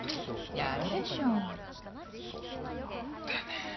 やるでしょうだよね